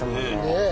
ねえ。